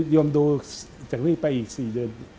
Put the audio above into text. โยมดูจากนี้ไปอีก๔เดือน